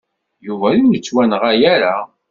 Yuba ur yettwanɣa ara.